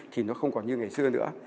thì nó không còn như ngày xưa nữa